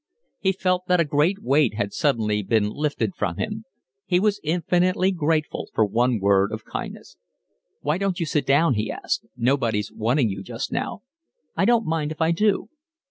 He felt that a great weight had suddenly been lifted from him. He was infinitely grateful for one word of kindness. "Why don't you sit down?" he asked. "Nobody's wanting you just now." "I don't mind if I do."